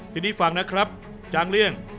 ทีนี้ฟังนะครับจางเลี่ยง